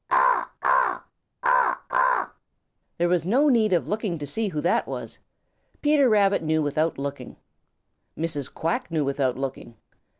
Blacky the Crow. "Caw, caw, caw, caw." There was no need of looking to see who that was. Peter Rabbit knew without looking. Mrs. Quack knew without looking.